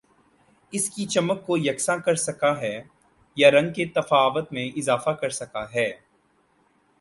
اس کی چمک کو یکساں کر سکہ ہیں یا رنگ کے تفاوت میں اضافہ کر سکہ ہیں